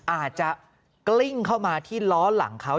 อาจจะกลิ้งเข้ามาที่ล้อหลังเขา